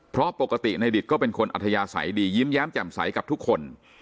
เพราะปกติในดิตก็เป็นคนอัธยาศัยดียิ้มแย้มแจ่มใสกับทุกคน